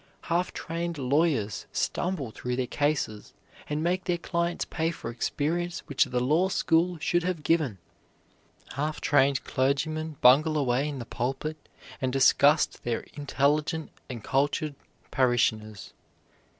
Half trained lawyers stumble through their cases, and make their clients pay for experience which the law school should have given. Half trained clergymen bungle away in the pulpit, and disgust their intelligent and cultured parishioners.